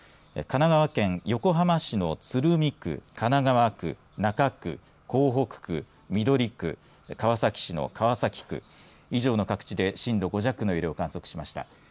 神奈川県横浜市の鶴見区神奈川区、中区、港北区緑区、川崎市の川崎区以上の各地で震度５弱の揺れを観測しました。